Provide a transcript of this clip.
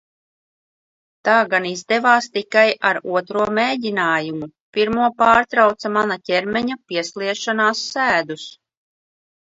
Tā gan izdevās tikai ar otro mēģinājumu, pirmo pārtrauca mana ķermeņa piesliešanās sēdus.